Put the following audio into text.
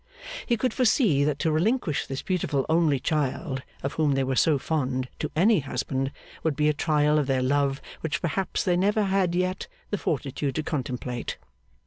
He could foresee that to relinquish this beautiful only child, of whom they were so fond, to any husband, would be a trial of their love which perhaps they never yet had had the fortitude to contemplate.